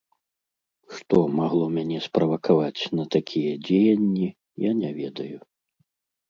Што магло мяне справакаваць на такія дзеянні, я не ведаю.